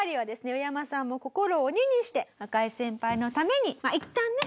ウエヤマさんも心を鬼にして赤井先輩のためにいったんね